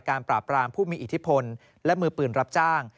ปราบรามผู้มีอิทธิพลและมือปืนรับจ้าง